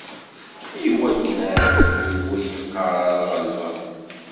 Iwakken aɛdaw-iw ur iqqar ara: Ɣelbeɣ-t!